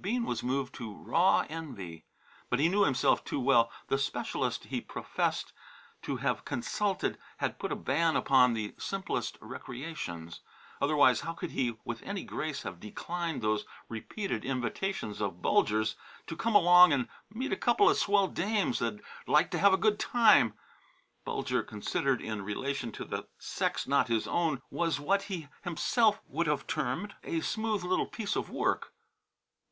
Bean was moved to raw envy. But he knew himself too well. The specialist he professed to have consulted had put a ban upon the simplest recreations. Otherwise how could he with any grace have declined those repeated invitations of Bulger's to come along and meet a couple of swell dames that'd like to have a good time? Bulger, considered in relation to the sex not his own, was what he himself would have termed "a smooth little piece of work."